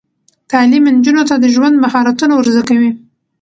تعلیم نجونو ته د ژوند مهارتونه ور زده کوي.